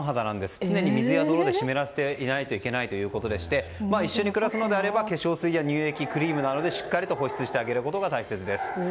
常に水や泥で湿らせていないといけないということで一緒に暮らすのであれば化粧水や乳液、クリームなどでしっかり保湿するのが大事です。